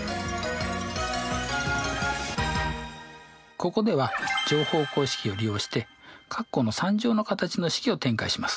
ここでは乗法公式を利用して括弧の３乗の形の式を展開します。